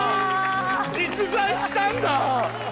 実在したんだ！